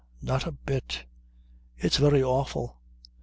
Not a bit. It's very awful.